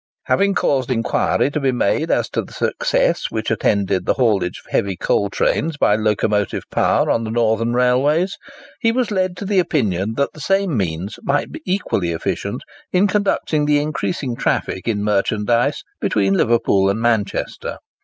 Having caused inquiry to be made as to the success which had attended the haulage of heavy coal trains by locomotive power on the northern railways, he was led to the opinion that the same means might be equally efficient in conducting the increasing traffic in merchandise between Liverpool and Manchester.